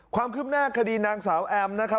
ความคืบหน้าคดีนางสาวแอมนะครับ